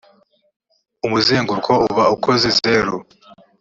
umuzenguruko uba ukoze zero.